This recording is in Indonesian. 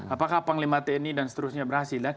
apakah panglima tni dan seterusnya berhasil